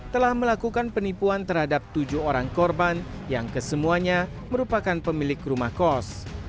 telah melakukan penipuan terhadap tujuh orang korban yang kesemuanya merupakan pemilik rumah kos